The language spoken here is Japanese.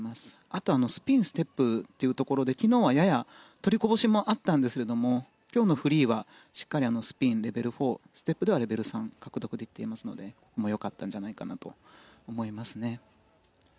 あとはスピン、ステップというところで昨日はやや取りこぼしもあったんですけれども今日のフリーはしっかりスピンはレベル４ステップではレベル３が獲得できていますので良かったんじゃないかなと思いますね。